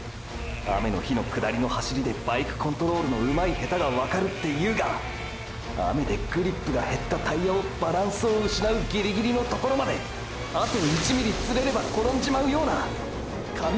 雨の日の下りの走りでバイクコントロールの上手い下手がわかるっていうが雨でグリップが減ったタイヤをバランスを失うギリギリのところまであと１ｍｍずれれば転んじまうような紙一重でダンシングしてる！！